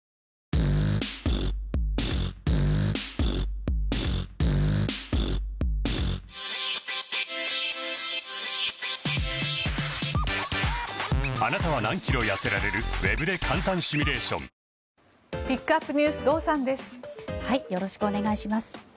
よろしくお願いします。